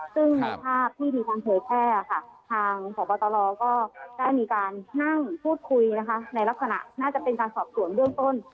ซึ่งในภาพที่มีการเผยแพร่ค่ะทางพบตรก็ได้มีการนั่งพูดคุยนะคะในลักษณะน่าจะเป็นการสอบสวนเบื้องต้น